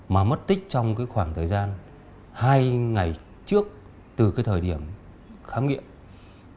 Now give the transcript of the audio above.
mà mất tích trong khoảng thời gian hai ngày trước từ thời điểm khám nghiệm